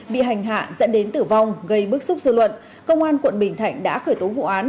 bị hành hạ dẫn đến tử vong gây bức xúc dư luận công an quận bình thạnh đã khởi tố vụ án